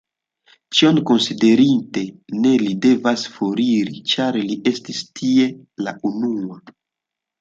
Ĉion konsiderinte, ne li devas foriri, ĉar li estis tie la unua.